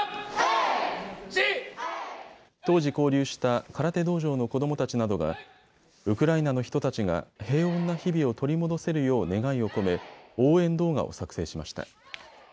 当時、交流した空手道場の子どもたちなどがウクライナの人たちが平穏な日々を取り戻せるよう願いを込め、応援動画を作成しました。